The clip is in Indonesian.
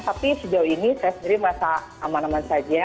tapi sejauh ini saya sendiri masa aman aman saja